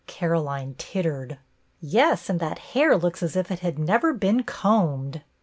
Caroline tittered. " Yes, and that hair looks as if it had never been combed."